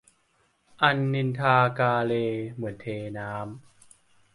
อันนินทากาเล เหมือนเทน้ำ